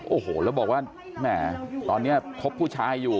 โอ้โหแล้วบอกว่าแหมตอนนี้คบผู้ชายอยู่